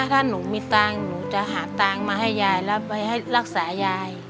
ถ้าหนูมีเงินหนูจะหาเงินมาให้ยายและไปรักษายาย